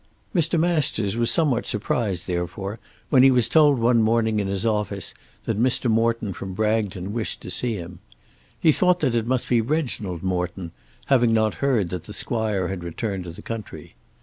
Mr. Masters was somewhat surprised therefore when he was told one morning in his office that Mr. Morton from Bragton wished to see him. He thought that it must be Reginald Morton, having not heard that the Squire had returned to the country.